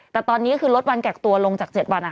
แต่ตอนนี้ก็คือลดวันกักตัวลงจาก๗วัน